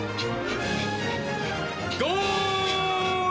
「ゴール！」